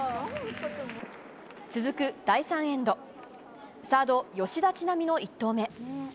続く第３エンドサード、吉田知那美の１投目。